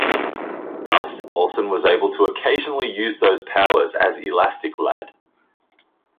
Thus, Olsen was able to occasionally use those powers as Elastic Lad.